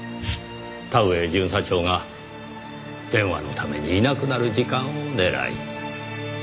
田上巡査長が電話のためにいなくなる時間を狙い。